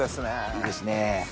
いいですね。